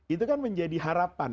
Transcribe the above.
itu kan menjadi harapan